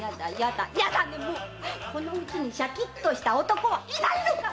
この家にシャキッとした男はいないのか⁉